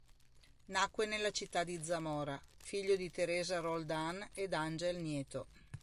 Nacque nella città di Zamora, figlio di Teresa Roldán ed Ángel Nieto.